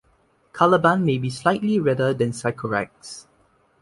Caliban may be slightly redder than Sycorax.